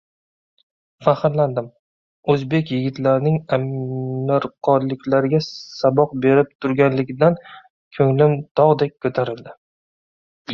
Faxrlandim. O‘zbek yigitlarining amirqoliklarga saboq berib turganligidan ko‘nglim tog‘dek ko‘tarildi.